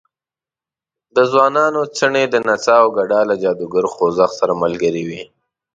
د ځوانانو څڼې د نڅا او ګډا له جادوګر خوځښت سره ملګرې وې.